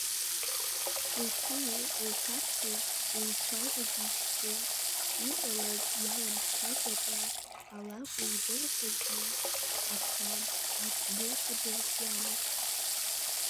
Лԥеи лҭацеи еицәажәозижьҭеи, иҟалаз иаламцәажәакәа, алакә еибырҳәозма, аха ак дырҵабыргуамызт.